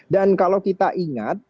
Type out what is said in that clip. dan kalau kita ingat